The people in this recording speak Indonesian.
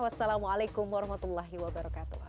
wassalamualaikum warahmatullahi wabarakatuh